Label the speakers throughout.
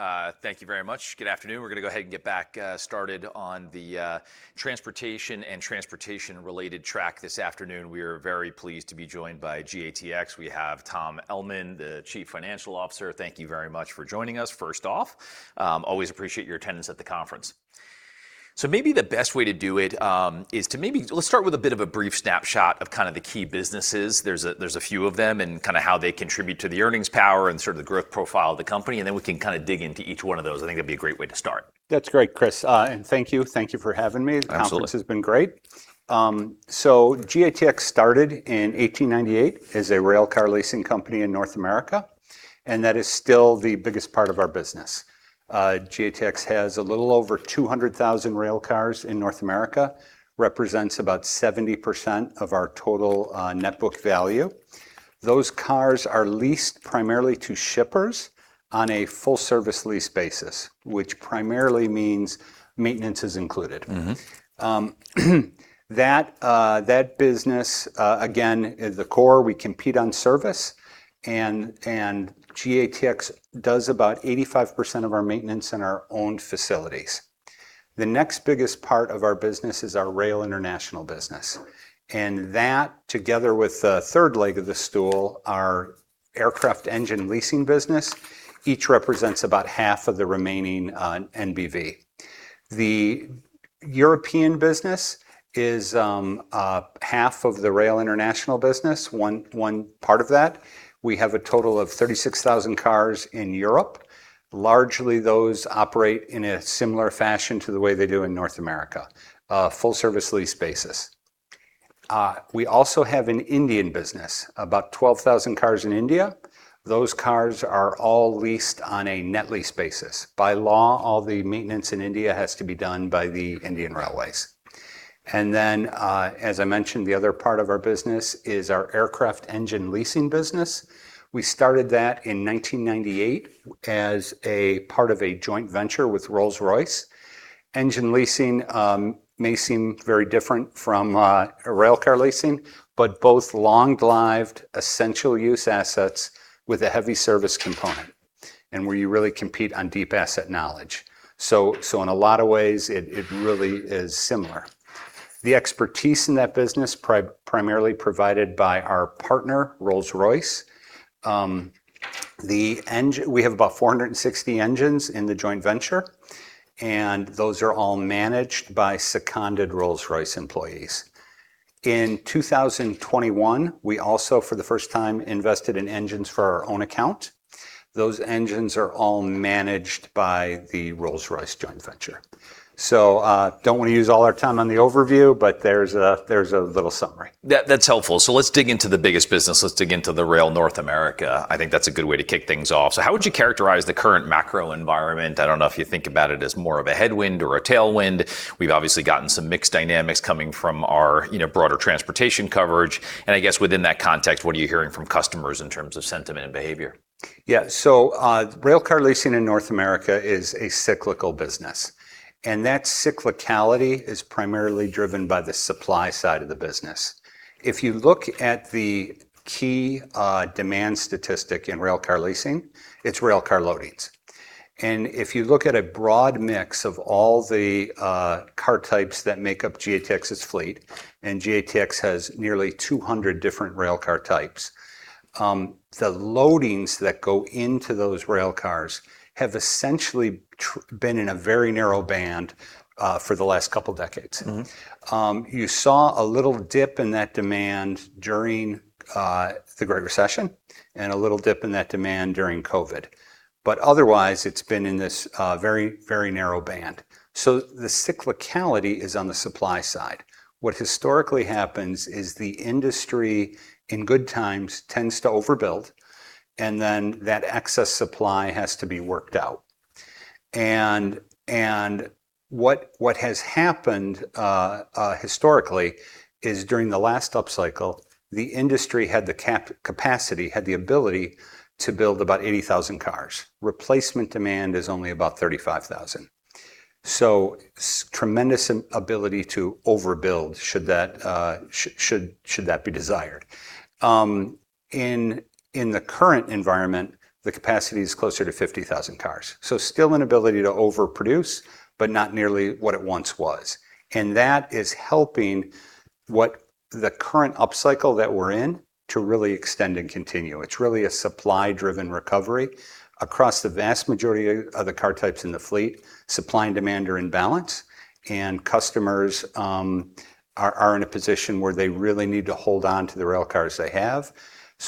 Speaker 1: Great. Thank you very much. Good afternoon. We're going to go ahead and get back started on the transportation and transportation-related track this afternoon. We are very pleased to be joined by GATX. We have Tom Ellman, the Chief Financial Officer. Thank you very much for joining us first off. Always appreciate your attendance at the conference. Maybe the best way to do it is to Let's start with a bit of a brief snapshot of kind of the key businesses. There's a few of them and kind of how they contribute to the earnings power and sort of the growth profile of the company, and then we can kind of dig into each one of those. I think that'd be a great way to start.
Speaker 2: That's great, Chris. Thank you. Thank you for having me.
Speaker 1: Absolutely.
Speaker 2: The conference has been great. GATX started in 1898 as a railcar leasing company in North America, and that is still the biggest part of our business. GATX has a little over 200,000 railcars in North America. Represents about 70% of our total net book value. Those cars are leased primarily to shippers on a full-service lease basis, which primarily means maintenance is included. That business, again, is the core. We compete on service, and GATX does about 85% of our maintenance in our own facilities. The next biggest part of our business is our rail international business, and that together with the third leg of the stool, our aircraft engine leasing business, each represents about half of the remaining NBV. The European business is half of the rail international business, one part of that. We have a total of 36,000 cars in Europe. Largely, those operate in a similar fashion to the way they do in North America, full-service lease basis. We also have an Indian business, about 12,000 cars in India. Those cars are all leased on a net lease basis. By law, all the maintenance in India has to be done by the Indian Railways. As I mentioned, the other part of our business is our aircraft engine leasing business. We started that in 1998 as a part of a joint venture with Rolls-Royce. Engine leasing may seem very different from railcar leasing, but both long-lived essential use assets with a heavy service component, and where you really compete on deep asset knowledge. In a lot of ways, it really is similar. The expertise in that business primarily provided by our partner, Rolls-Royce. We have about 460 engines in the joint venture, and those are all managed by seconded Rolls-Royce employees. In 2021, we also, for the first time, invested in engines for our own account. Those engines are all managed by the Rolls-Royce joint venture. Don't want to use all our time on the overview, but there's a little summary.
Speaker 1: That's helpful. Let's dig into the biggest business. Let's dig into the Rail North America. I think that's a good way to kick things off. How would you characterize the current macro environment? I don't know if you think about it as more of a headwind or a tailwind. We've obviously gotten some mixed dynamics coming from our broader transportation coverage, and I guess within that context, what are you hearing from customers in terms of sentiment and behavior?
Speaker 2: Railcar leasing in North America is a cyclical business, and that cyclicality is primarily driven by the supply side of the business. If you look at the key demand statistic in railcar leasing, it's railcar loadings. If you look at a broad mix of all the car types that make up GATX's fleet, and GATX has nearly 200 different railcar types, the loadings that go into those railcars have essentially been in a very narrow band for the last couple decades. You saw a little dip in that demand during the Great Recession and a little dip in that demand during COVID. Otherwise, it's been in this very narrow band. The cyclicality is on the supply side. What historically happens is the industry, in good times, tends to overbuild, and then that excess supply has to be worked out. What has happened historically is during the last upcycle, the industry had the capacity, had the ability to build about 80,000 cars. Replacement demand is only about 35,000. Tremendous ability to overbuild should that be desired. In the current environment, the capacity is closer to 50,000 cars. Still an ability to overproduce, but not nearly what it once was. That is helping the current upcycle that we're in to really extend and continue. It's really a supply-driven recovery across the vast majority of the car types in the fleet. Supply and demand are in balance, and customers are in a position where they really need to hold on to the railcars they have.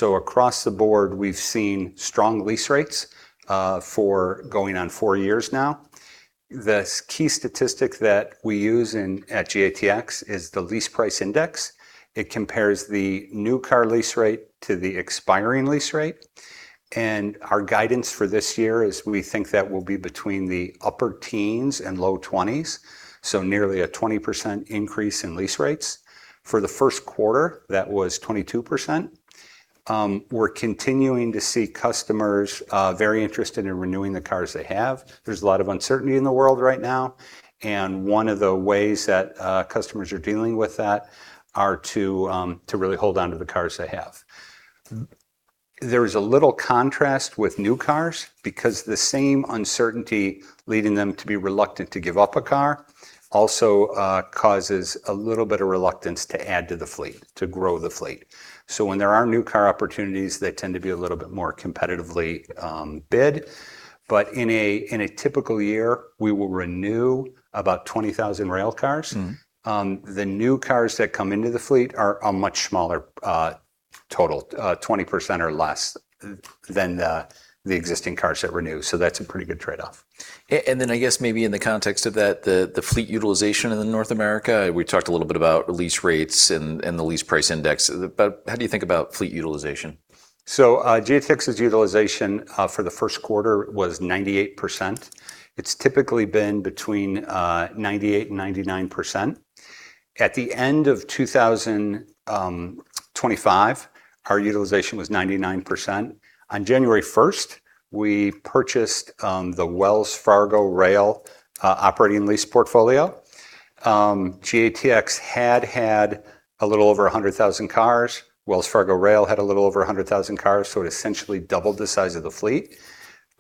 Speaker 2: Across the board, we've seen strong lease rates for going on four years now. The key statistic that we use at GATX is the Lease Price Index. It compares the new car lease rate to the expiring lease rate, and our guidance for this year is we think that will be between the upper teens and low 20s, so nearly a 20% increase in lease rates. For the first quarter, that was 22%. We're continuing to see customers very interested in renewing the cars they have. There's a lot of uncertainty in the world right now, one of the ways that customers are dealing with that are to really hold on to the cars they have. There is a little contrast with new cars because the same uncertainty leading them to be reluctant to give up a car also causes a little bit of reluctance to add to the fleet, to grow the fleet. When there are new car opportunities, they tend to be a little bit more competitively bid. In a typical year, we will renew about 20,000 railcars. The new cars that come into the fleet are a much smaller total, 20% or less than the existing cars that renew. That's a pretty good trade-off.
Speaker 1: I guess maybe in the context of that, the fleet utilization in North America, we talked a little bit about lease rates and the Lease Price Index. How do you think about fleet utilization?
Speaker 2: GATX's utilization for the first quarter was 98%. It's typically been between 98% and 99%. At the end of 2025, our utilization was 99%. On January 1st, we purchased the Wells Fargo Rail operating lease portfolio. GATX had had a little over 100,000 cars. Wells Fargo Rail had a little over 100,000 cars, so it essentially doubled the size of the fleet.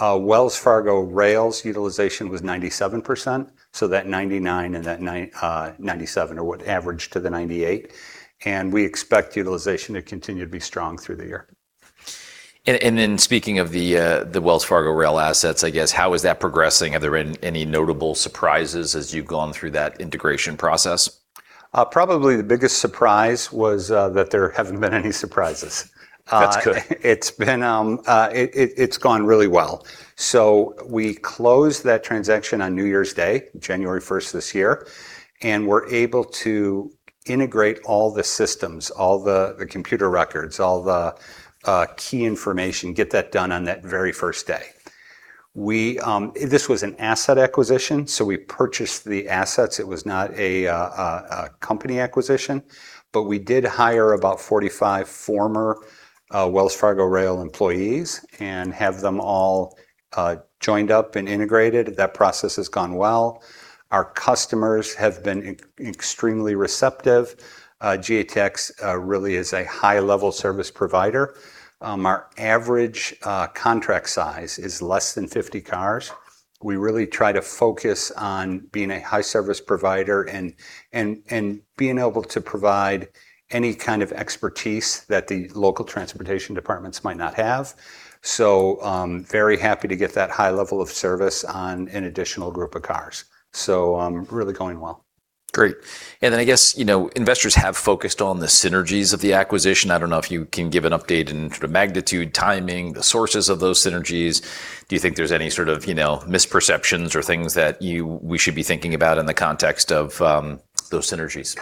Speaker 2: Wells Fargo Rail's utilization was 97%, so that 99% and that 97% are what average to the 98%, we expect utilization to continue to be strong through the year.
Speaker 1: Then speaking of the Wells Fargo Rail assets, I guess how is that progressing? Are there any notable surprises as you've gone through that integration process?
Speaker 2: Probably the biggest surprise was that there haven't been any surprises.
Speaker 1: That's good.
Speaker 2: It's gone really well. We closed that transaction on New Year's Day, January 1st this year, and were able to integrate all the systems, all the computer records, all the key information, get that done on that very first day. This was an asset acquisition, so we purchased the assets. It was not a company acquisition, but we did hire about 45 former Wells Fargo Rail employees and have them all joined up and integrated. That process has gone well. Our customers have been extremely receptive. GATX really is a high-level service provider. Our average contract size is less than 50 cars. We really try to focus on being a high-service provider and being able to provide any kind of expertise that the local transportation departments might not have. Very happy to get that high level of service on an additional group of cars. Really going well.
Speaker 1: Great. I guess investors have focused on the synergies of the acquisition. I don't know if you can give an update in sort of magnitude, timing, the sources of those synergies. Do you think there's any sort of misperceptions or things that we should be thinking about in the context of those synergies?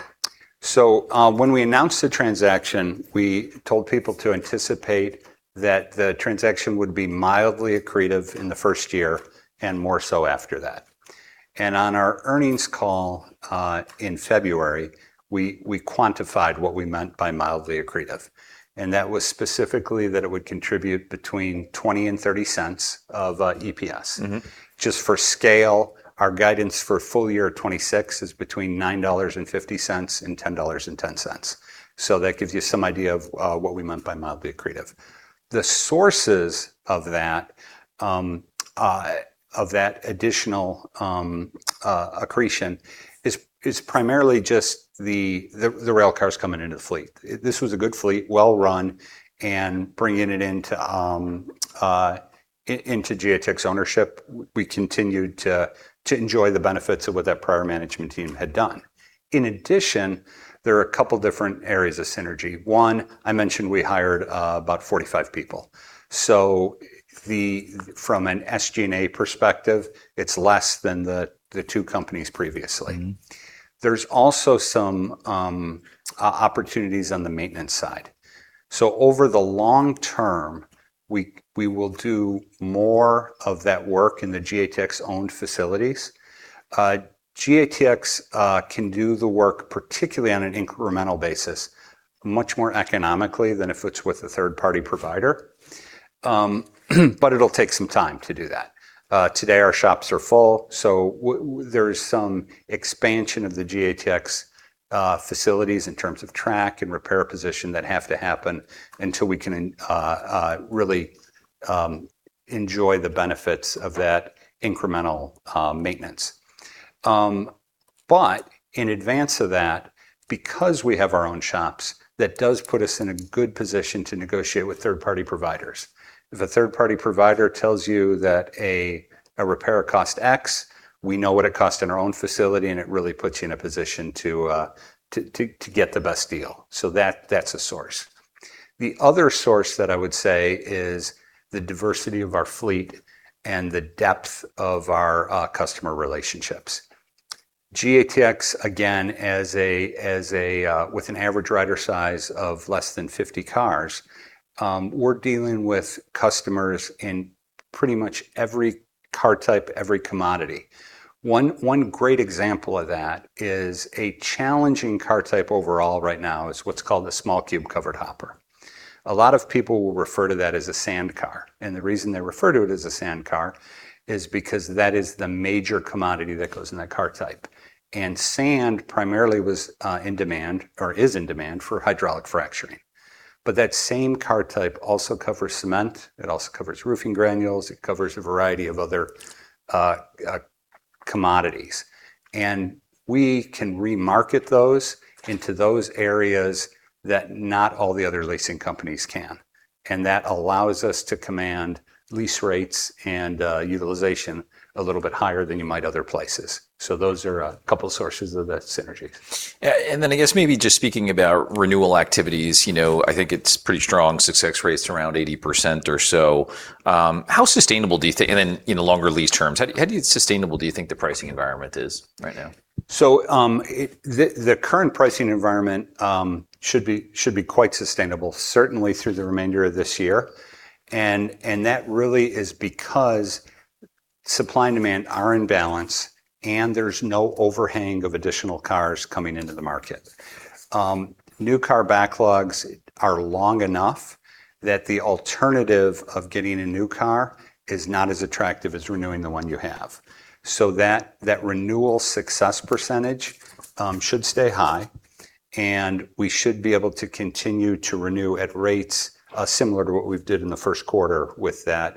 Speaker 2: When we announced the transaction, we told people to anticipate that the transaction would be mildly accretive in the first year and more so after that. On our earnings call in February, we quantified what we meant by mildly accretive, and that was specifically that it would contribute between $0.20 and $0.30 of EPS. Just for scale, our guidance for full year 2026 is between $9.50 and $10.10. That gives you some idea of what we meant by mildly accretive. The sources of that additional accretion is primarily just the rail cars coming into the fleet. This was a good fleet, well run, and bringing it into GATX ownership, we continued to enjoy the benefits of what that prior management team had done. In addition, there are a couple different areas of synergy. One, I mentioned we hired about 45 people. From an SG&A perspective, it's less than the two companies previously. There's also some opportunities on the maintenance side. Over the long term, we will do more of that work in the GATX-owned facilities. GATX can do the work, particularly on an incremental basis, much more economically than if it's with a third-party provider. It'll take some time to do that. Today our shops are full, so there's some expansion of the GATX facilities in terms of track and repair position that have to happen until we can really enjoy the benefits of that incremental maintenance. In advance of that, because we have our own shops, that does put us in a good position to negotiate with third-party providers. If a third-party provider tells you that a repair costs X, we know what it costs in our own facility, and it really puts you in a position to get the best deal. That's a source. The other source that I would say is the diversity of our fleet and the depth of our customer relationships. GATX, again, with an average order size of less than 50 cars, we're dealing with customers in pretty much every car type, every commodity. One great example of that is a challenging car type overall right now is what's called a small-cube covered hopper. A lot of people will refer to that as a sand car, and the reason they refer to it as a sand car is because that is the major commodity that goes in that car type. Sand primarily was in demand or is in demand for hydraulic fracturing. That same car type also covers cement, it also covers roofing granules, it covers a variety of other commodities. We can re-market those into those areas that not all the other leasing companies can. That allows us to command lease rates and utilization a little bit higher than you might other places. Those are a couple of sources of that synergy.
Speaker 1: I guess maybe just speaking about renewal activities, I think it's pretty strong, success rates around 80% or so. In the longer lease terms, how sustainable do you think the pricing environment is right now?
Speaker 2: The current pricing environment should be quite sustainable, certainly through the remainder of this year. That really is because supply and demand are in balance and there's no overhang of additional cars coming into the market. New car backlogs are long enough that the alternative of getting a new car is not as attractive as renewing the one you have. That renewal success percentage should stay high, and we should be able to continue to renew at rates similar to what we did in the first quarter with the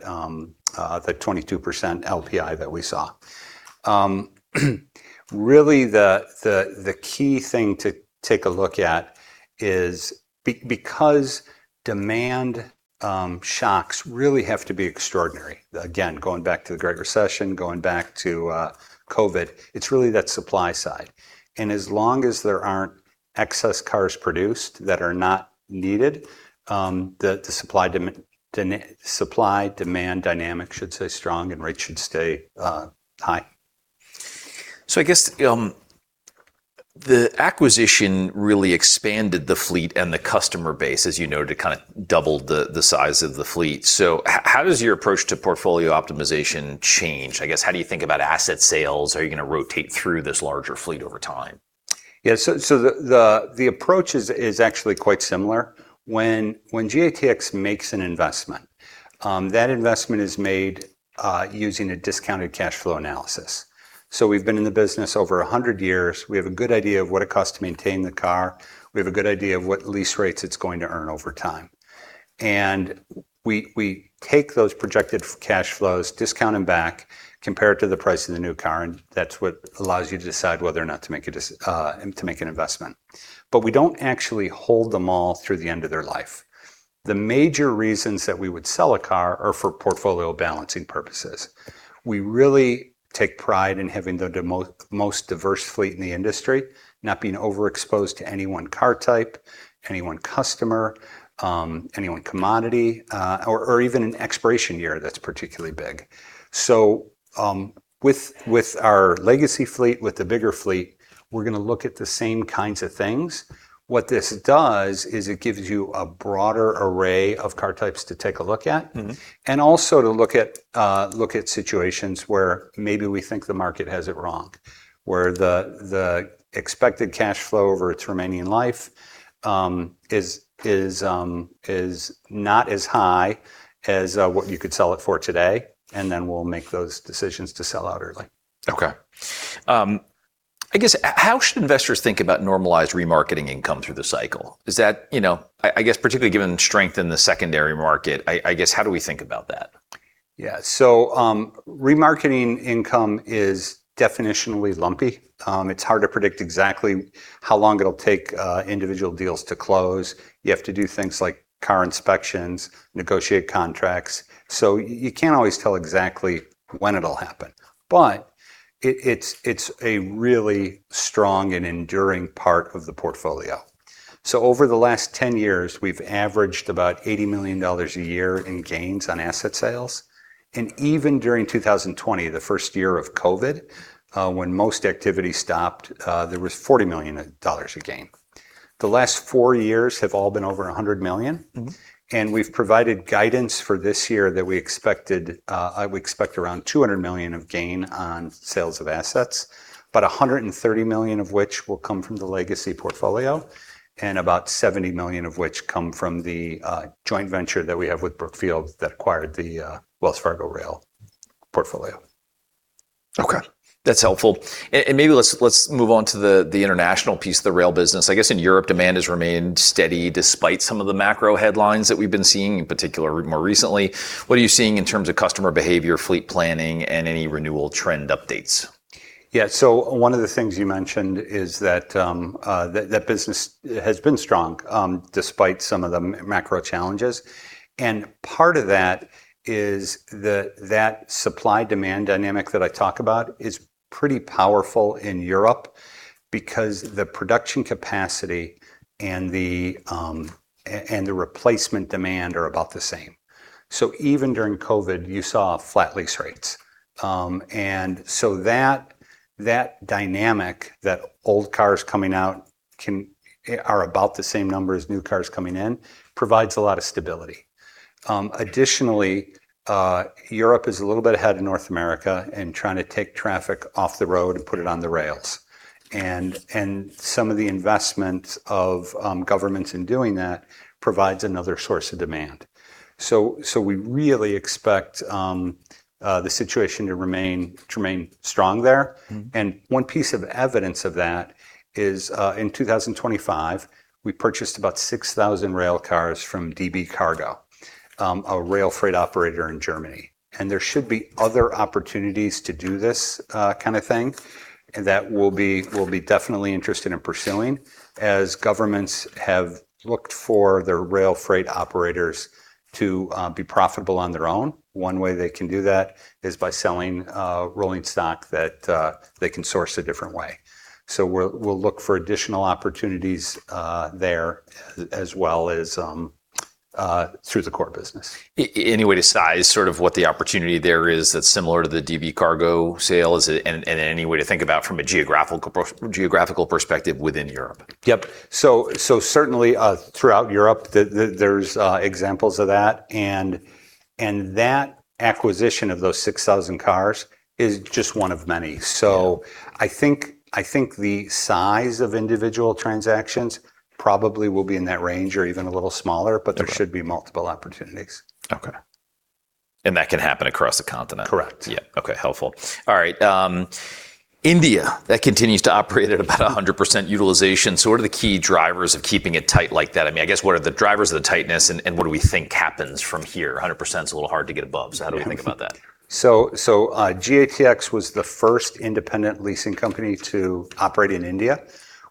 Speaker 2: 22% LPI that we saw. Really the key thing to take a look at is because demand shocks really have to be extraordinary, again, going back to the Great Recession, going back to COVID, it's really that supply side. As long as there aren't excess cars produced that are not needed, the supply-demand dynamic should stay strong and rates should stay high.
Speaker 1: I guess the acquisition really expanded the fleet and the customer base, as you know, to double the size of the fleet. How does your approach to portfolio optimization change? I guess, how do you think about asset sales? Are you going to rotate through this larger fleet over time?
Speaker 2: Yeah. The approach is actually quite similar. When GATX makes an investment, that investment is made using a discounted cash flow analysis. We've been in the business over 100 years. We have a good idea of what it costs to maintain the car. We have a good idea of what lease rates it's going to earn over time. We take those projected cash flows, discount them back, compare it to the price of the new car, and that's what allows you to decide whether or not to make an investment. We don't actually hold them all through the end of their life. The major reasons that we would sell a car are for portfolio balancing purposes. We really take pride in having the most diverse fleet in the industry, not being overexposed to any one car type, any one customer, any one commodity, or even an expiration year that's particularly big. With our legacy fleet, with the bigger fleet, we're going to look at the same kinds of things. What this does is it gives you a broader array of car types to take a look at. Also to look at situations where maybe we think the market has it wrong, where the expected cash flow over its remaining life is not as high as what you could sell it for today, and then we'll make those decisions to sell out early.
Speaker 1: Okay. I guess, how should investors think about normalized remarketing income through the cycle? I guess particularly given strength in the secondary market, I guess, how do we think about that?
Speaker 2: Yeah. Remarketing income is definitionally lumpy. It's hard to predict exactly how long it'll take individual deals to close. You have to do things like car inspections, negotiate contracts. You can't always tell exactly when it'll happen. It's a really strong and enduring part of the portfolio. Over the last 10 years, we've averaged about $80 million a year in gains on asset sales. Even during 2020, the first year of COVID, when most activity stopped, there was $40 million of gain. The last four years have all been over $100 million. We've provided guidance for this year that we expect around $200 million of gain on sales of assets, about $130 million of which will come from the legacy portfolio, and about $70 million of which come from the joint venture that we have with Brookfield that acquired the Wells Fargo Rail portfolio.
Speaker 1: Okay. That's helpful. Maybe let's move on to the international piece of the rail business. I guess in Europe, demand has remained steady despite some of the macro headlines that we've been seeing, in particular more recently. What are you seeing in terms of customer behavior, fleet planning, and any renewal trend updates?
Speaker 2: Yeah. One of the things you mentioned is that business has been strong, despite some of the macro challenges. Part of that is that supply-demand dynamic that I talk about is pretty powerful in Europe because the production capacity and the replacement demand are about the same. Even during COVID, you saw flat lease rates. That dynamic, that old cars coming out are about the same number as new cars coming in, provides a lot of stability. Additionally, Europe is a little bit ahead of North America in trying to take traffic off the road and put it on the rails. Some of the investment of governments in doing that provides another source of demand. We really expect the situation to remain strong there. One piece of evidence of that is in 2025, we purchased about 6,000 rail cars from DB Cargo, a rail freight operator in Germany. There should be other opportunities to do this kind of thing, that we'll be definitely interested in pursuing, as governments have looked for their rail freight operators to be profitable on their own. One way they can do that is by selling rolling stock that they can source a different way. We'll look for additional opportunities there as well as through the core business.
Speaker 1: Any way to size sort of what the opportunity there is that's similar to the DB Cargo sale? Any way to think about from a geographical perspective within Europe?
Speaker 2: Yep. Certainly, throughout Europe, there's examples of that. That acquisition of those 6,000 cars is just one of many. I think the size of individual transactions probably will be in that range or even a little smaller.
Speaker 1: Okay
Speaker 2: There should be multiple opportunities.
Speaker 1: Okay. That can happen across the continent?
Speaker 2: Correct.
Speaker 1: Yeah. Okay. Helpful. All right. India, that continues to operate at about 100% utilization. What are the key drivers of keeping it tight like that? I guess what are the drivers of the tightness and what do we think happens from here? 100%'s a little hard to get above. How do we think about that?
Speaker 2: GATX was the first independent leasing company to operate in India.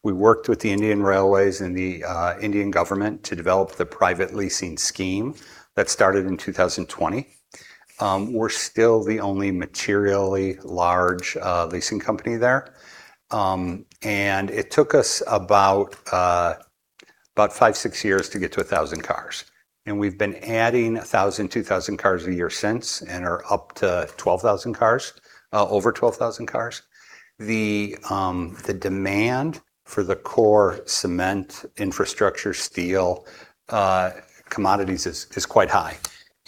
Speaker 2: We worked with the Indian Railways and the Indian government to develop the private leasing scheme that started in 2020. We're still the only materially large leasing company there. It took us about five, six years to get to 1,000 cars. We've been adding 1,000, 2,000 cars a year since and are up to 12,000 cars, over 12,000 cars. The demand for the core cement infrastructure, steel commodities is quite high.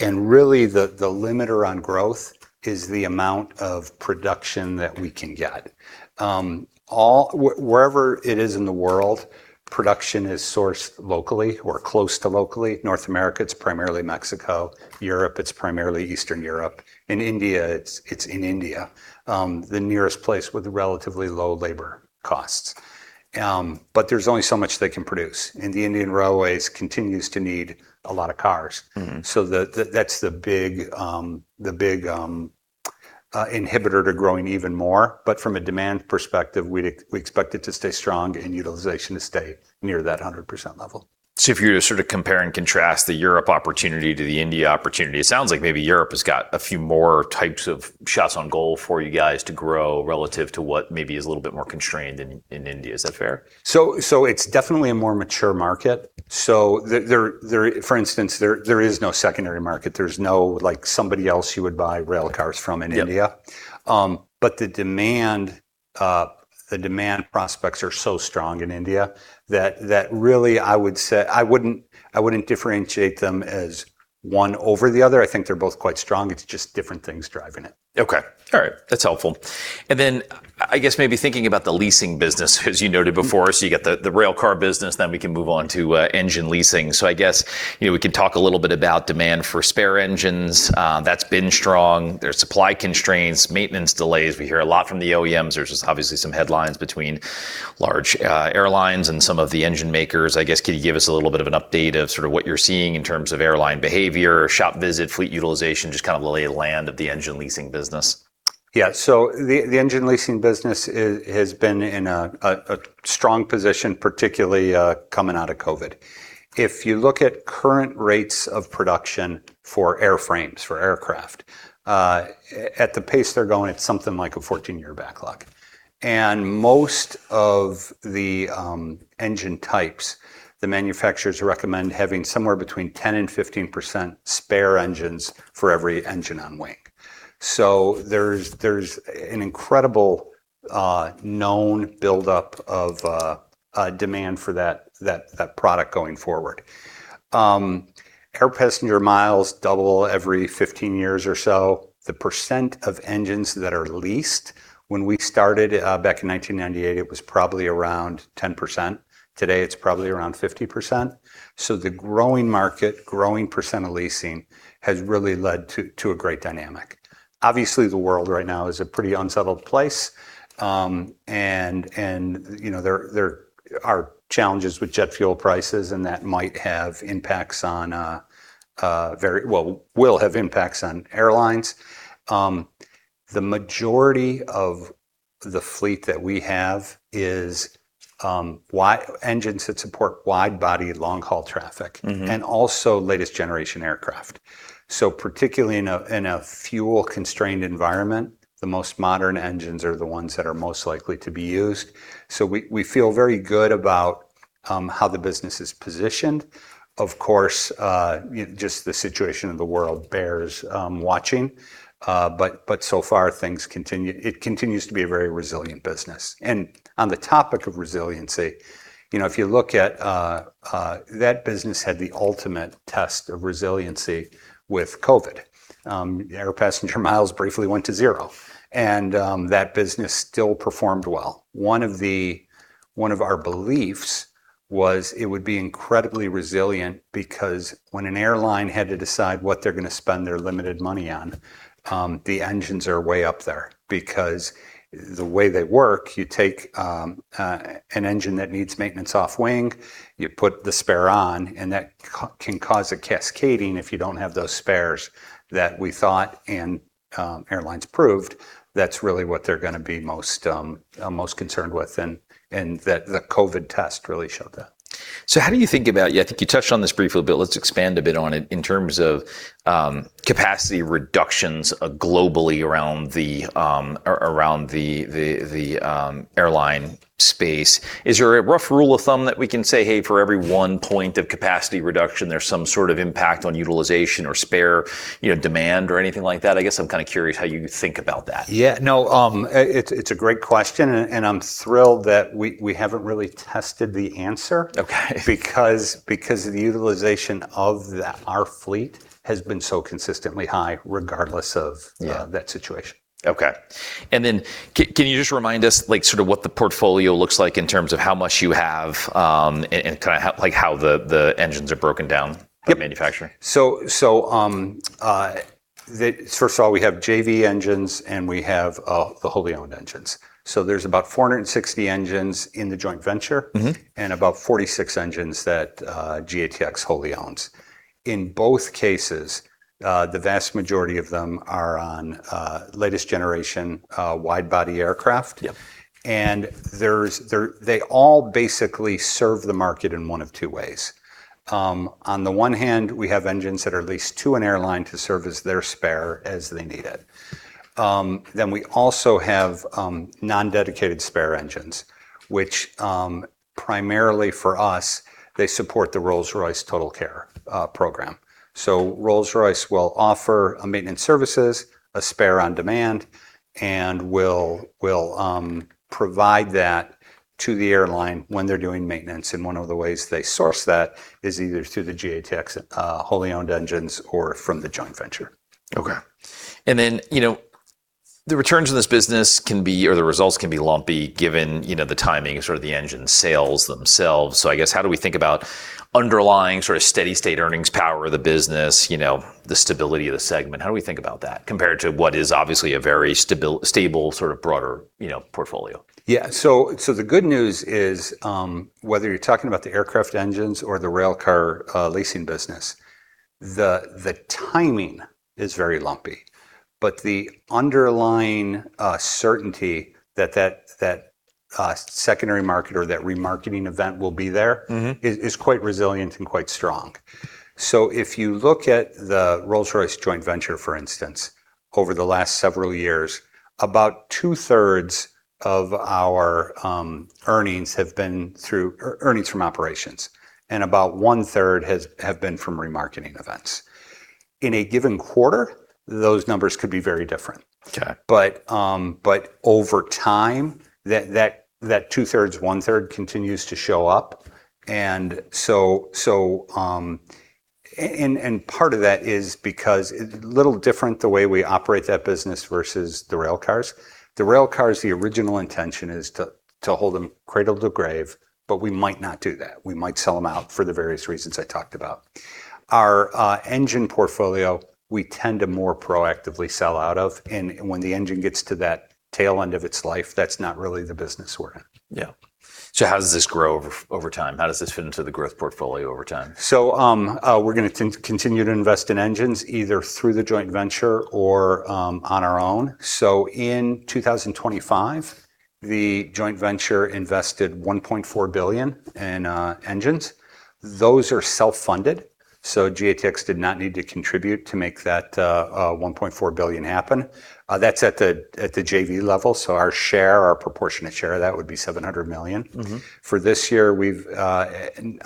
Speaker 2: Really the limiter on growth is the amount of production that we can get. Wherever it is in the world, production is sourced locally or close to locally. North America, it's primarily Mexico. Europe, it's primarily Eastern Europe. In India, it's in India, the nearest place with relatively low labor costs. There's only so much they can produce, and the Indian Railways continues to need a lot of cars. That's the big inhibitor to growing even more, but from a demand perspective, we expect it to stay strong and utilization to stay near that 100% level.
Speaker 1: If you were to sort of compare and contrast the Europe opportunity to the India opportunity, it sounds like maybe Europe has got a few more types of shots on goal for you guys to grow relative to what maybe is a little bit more constrained in India. Is that fair?
Speaker 2: It's definitely a more mature market. For instance, there is no secondary market. There's no somebody else you would buy rail cars from in India.
Speaker 1: Yep.
Speaker 2: The demand prospects are so strong in India that really I wouldn't differentiate them as one over the other. I think they're both quite strong. It's just different things driving it.
Speaker 1: Okay. All right. That's helpful. I guess maybe thinking about the leasing business, as you noted before, you get the rail car business, we can move on to engine leasing. I guess we could talk a little bit about demand for spare engines. That's been strong. There's supply constraints, maintenance delays. We hear a lot from the OEMs. There's just obviously some headlines between large airlines and some of the engine makers. I guess could you give us a little bit of an update of sort of what you're seeing in terms of airline behavior or shop visit, fleet utilization, just kind of the lay of land of the engine leasing business?
Speaker 2: Yeah. The engine leasing business has been in a strong position, particularly coming out of COVID. If you look at current rates of production for airframes, for aircraft, at the pace they're going, it's something like a 14-year backlog. Most of the engine types, the manufacturers recommend having somewhere between 10% and 15% spare engines for every engine on wing. There's an incredible known buildup of demand for that product going forward. Air passenger miles double every 15 years or so. The % of engines that are leased, when we started back in 1998, it was probably around 10%. Today, it's probably around 50%. The growing market, growing % of leasing has really led to a great dynamic. Obviously, the world right now is a pretty unsettled place. There are challenges with jet fuel prices, and that might have impacts on airlines. The majority of the fleet that we have is engines that support wide-body, long-haul traffic. Also latest generation aircraft. Particularly in a fuel-constrained environment, the most modern engines are the ones that are most likely to be used. We feel very good about how the business is positioned. Of course, just the situation of the world bears watching. So far, it continues to be a very resilient business. On the topic of resiliency, if you look at that business had the ultimate test of resiliency with COVID. Air passenger miles briefly went to zero, and that business still performed well. One of our beliefs was it would be incredibly resilient because when an airline had to decide what they're going to spend their limited money on, the engines are way up there because the way they work, you take an engine that needs maintenance off wing, you put the spare on, and that can cause a cascading if you don't have those spares that we thought and airlines proved, that's really what they're going to be most concerned with. The COVID test really showed that.
Speaker 1: How do you think about, I think you touched on this briefly, but let's expand a bit on it in terms of capacity reductions globally around the airline space. Is there a rough rule of thumb that we can say, hey, for every one point of capacity reduction, there's some sort of impact on utilization or spare demand or anything like that? I guess I'm kind of curious how you think about that.
Speaker 2: Yeah. No, it's a great question, and I'm thrilled that we haven't really tested the answer.
Speaker 1: Okay.
Speaker 2: Because the utilization of our fleet has been so consistently high regardless of
Speaker 1: Yeah
Speaker 2: that situation.
Speaker 1: Okay. Can you just remind us what the portfolio looks like in terms of how much you have, and how the engines are broken down?
Speaker 2: Yep
Speaker 1: by manufacturer?
Speaker 2: First of all, we have JV engines, and we have the wholly owned engines. There's about 460 engines in the joint venture. About 46 engines that GATX wholly owns. In both cases, the vast majority of them are on latest generation wide body aircraft.
Speaker 1: Yep.
Speaker 2: They all basically serve the market in one of two ways. On the one hand, we have engines that are leased to an airline to serve as their spare as they need it. We also have non-dedicated spare engines, which, primarily for us, they support the Rolls-Royce TotalCare program. Rolls-Royce will offer a maintenance services, a spare on demand, and will provide that to the airline when they're doing maintenance. One of the ways they source that is either through the GATX wholly owned engines or from the joint venture.
Speaker 1: Okay. The returns in this business can be, or the results can be lumpy given the timing of the engine sales themselves. I guess how do we think about underlying steady state earnings power of the business, the stability of the segment? How do we think about that compared to what is obviously a very stable broader portfolio?
Speaker 2: Yeah. The good news is, whether you're talking about the aircraft engines or the railcar leasing business, the timing is very lumpy. The underlying certainty that secondary market or that remarketing event will be there. is quite resilient and quite strong. If you look at the Rolls-Royce joint venture, for instance, over the last several years, about two-thirds of our earnings have been through earnings from operations, and about one-third have been from remarketing events. In a given quarter, those numbers could be very different.
Speaker 1: Okay.
Speaker 2: Over time, that two-thirds, one-third continues to show up. Part of that is because it's a little different the way we operate that business versus the railcars. The railcars, the original intention is to hold them cradle to grave, we might not do that. We might sell them out for the various reasons I talked about. Our engine portfolio, we tend to more proactively sell out of. When the engine gets to that tail end of its life, that's not really the business we're in.
Speaker 1: Yeah. How does this grow over time? How does this fit into the growth portfolio over time?
Speaker 2: We're going to continue to invest in engines, either through the joint venture or on our own. In 2025, the joint venture invested $1.4 billion in engines. Those are self-funded, GATX did not need to contribute to make that $1.4 billion happen. That's at the JV level, our proportionate share of that would be $700 million. For this year, we've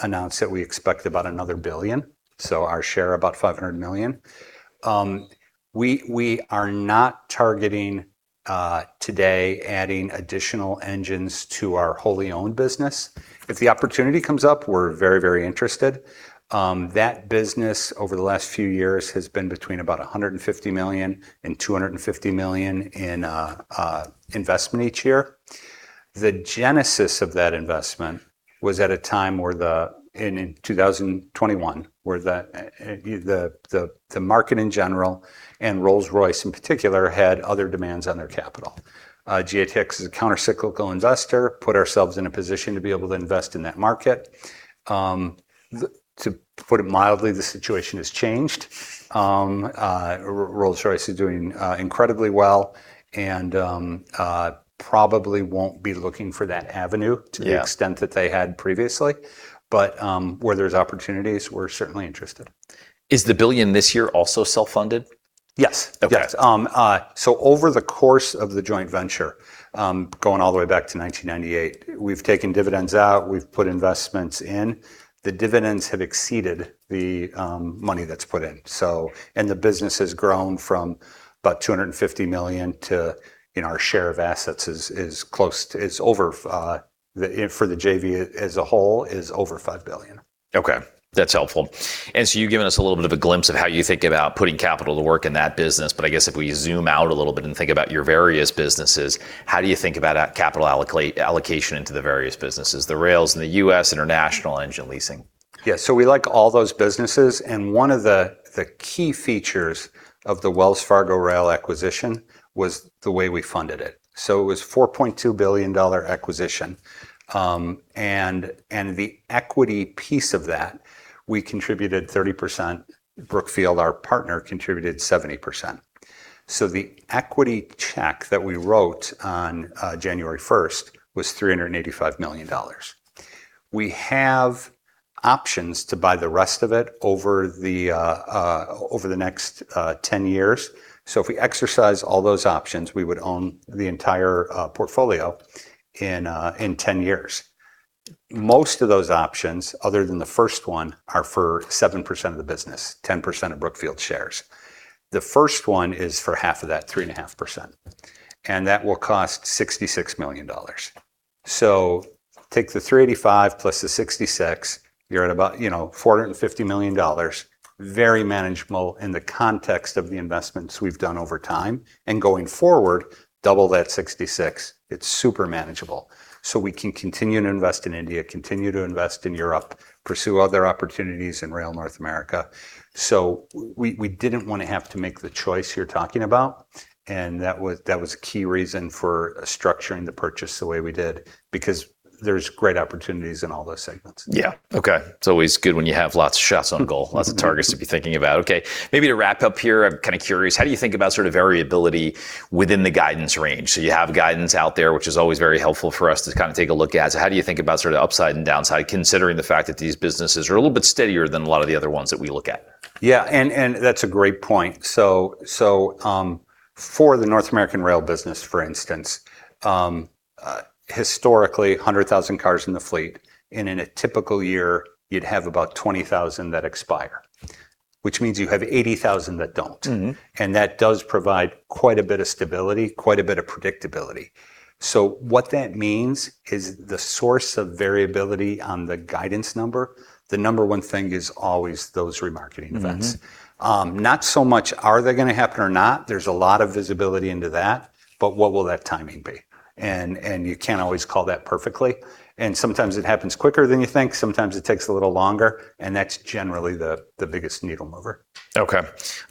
Speaker 2: announced that we expect about another $1 billion, our share, about $500 million. We are not targeting today adding additional engines to our wholly owned business. If the opportunity comes up, we're very interested. That business, over the last few years, has been between about $150 million-$250 million in investment each year. The genesis of that investment was at a time where the, in 2021, where the market in general, and Rolls-Royce in particular, had other demands on their capital. GATX is a counter-cyclical investor, put ourselves in a position to be able to invest in that market. To put it mildly, the situation has changed. Rolls-Royce is doing incredibly well and probably won't be looking for that avenue.
Speaker 1: Yeah
Speaker 2: to the extent that they had previously. Where there's opportunities, we're certainly interested.
Speaker 1: Is the $1 billion this year also self-funded?
Speaker 2: Yes.
Speaker 1: Okay.
Speaker 2: Over the course of the joint venture, going all the way back to 1998, we've taken dividends out, we've put investments in. The dividends have exceeded the money that's put in. The business has grown from about $250 million to, our share of assets for the JV as a whole is over $5 billion.
Speaker 1: Okay. That's helpful. You've given us a little bit of a glimpse of how you think about putting capital to work in that business. I guess if we zoom out a little bit and think about your various businesses, how do you think about capital allocation into the various businesses, the rails in the U.S., international, engine leasing?
Speaker 2: We like all those businesses, and one of the key features of the Wells Fargo Rail acquisition was the way we funded it. It was a $4.2 billion acquisition. The equity piece of that, we contributed 30%. Brookfield, our partner, contributed 70%. The equity check that we wrote on January 1st was $385 million. We have options to buy the rest of it over the next 10 years. If we exercise all those options, we would own the entire portfolio in 10 years. Most of those options, other than the first one, are for 7% of the business, 10% of Brookfield shares. The first one is for half of that, 3.5%, and that will cost $66 million. Take the $385 plus the $66, you're at about $450 million. Very manageable in the context of the investments we've done over time. Going forward, double that $66, it's super manageable. We can continue to invest in India, continue to invest in Europe, pursue other opportunities in rail North America. We didn't want to have to make the choice you're talking about, and that was a key reason for structuring the purchase the way we did, because there's great opportunities in all those segments.
Speaker 1: It's always good when you have lots of shots on goal, lots of targets to be thinking about. Maybe to wrap up here, I'm curious, how do you think about variability within the guidance range? You have guidance out there, which is always very helpful for us to take a look at. How do you think about upside and downside, considering the fact that these businesses are a little bit steadier than a lot of the other ones that we look at?
Speaker 2: That's a great point. For the North American rail business, for instance, historically, 100,000 cars in the fleet, and in a typical year, you'd have about 20,000 that expire, which means you have 80,000 that don't. That does provide quite a bit of stability, quite a bit of predictability. What that means is the source of variability on the guidance number, the number one thing is always those remarketing events. Not so much are they going to happen or not, there's a lot of visibility into that, but what will that timing be? You can't always call that perfectly, sometimes it happens quicker than you think, sometimes it takes a little longer, that's generally the biggest needle mover.
Speaker 1: Okay.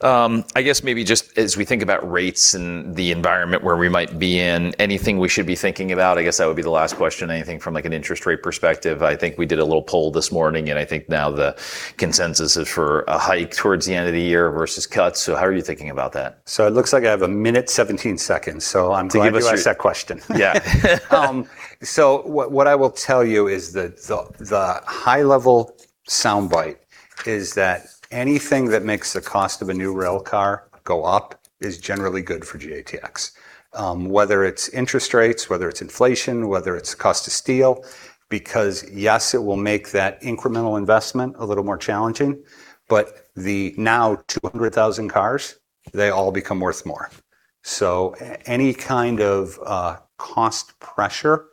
Speaker 1: I guess maybe just as we think about rates and the environment where we might be in, anything we should be thinking about? I guess that would be the last question. Anything from an interest rate perspective? I think we did a little poll this morning, I think now the consensus is for a hike towards the end of the year versus cuts. How are you thinking about that?
Speaker 2: It looks like I have a minute 17 seconds, I'm glad.
Speaker 1: give us your
Speaker 2: you asked that question.
Speaker 1: Yeah.
Speaker 2: What I will tell you is that the high level soundbite is that anything that makes the cost of a new railcar go up is generally good for GATX. Whether it's interest rates, whether it's inflation, whether it's cost of steel, because, yes, it will make that incremental investment a little more challenging, but the now 200,000 cars, they all become worth more. Any kind of cost pressure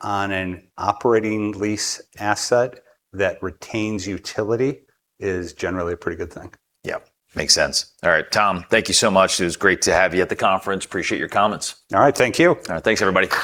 Speaker 2: on an operating lease asset that retains utility is generally a pretty good thing.
Speaker 1: Yeah. Makes sense. All right, Tom, thank you so much. It was great to have you at the conference. Appreciate your comments.
Speaker 2: All right. Thank you.
Speaker 1: All right. Thanks everybody.